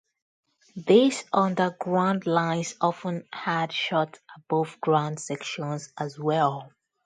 These underground lines often had short above-ground sections as well.